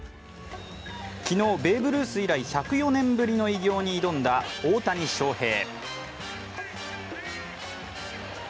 昨日、ベーブ・ルース以来１０４年ぶりの偉業に挑んだ大谷翔平。